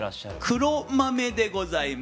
黒豆でございます。